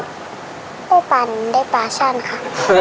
ปลาเข้าไปได้ปลาชั่นค่ะ